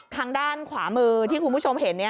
ทางด้านขวามือที่คุณผู้ชมเห็น